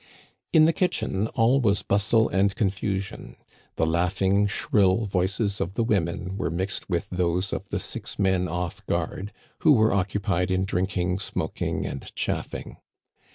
In the kitchen all was bustle and confusion. The laughing shrill voices of the women were mixed with those of the six men off guard, who were occupied in drinking, smoking, and chaffing.